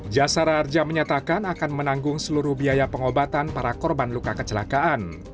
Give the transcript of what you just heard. jasara harja menyatakan akan menanggung seluruh biaya pengobatan para korban luka kecelakaan